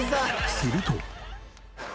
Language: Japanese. すると。